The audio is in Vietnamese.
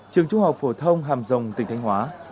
trường trung học phổ thông hàm rồng tỉnh thanh hóa